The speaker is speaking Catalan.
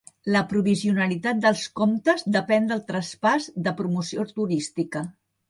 La provisionalitat dels comptes depèn del traspàs de promoció turística.